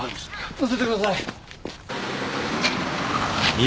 乗せてください